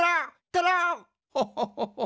ホホホホホ。